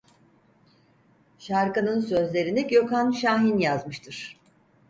Şarkının sözlerini Gökhan Şahin yazmıştır.